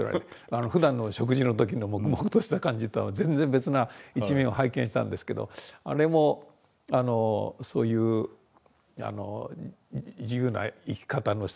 ふだんの食事の時の黙々とした感じとは全然別な一面を拝見したんですけどあれもそういう自由な生き方の一つのあらわれですかね。